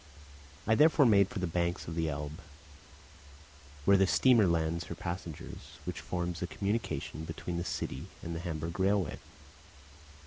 I therefore made for the banks of the Elbe, where the steamer lands her passengers, which forms the communication between the city and the Hamburg railway.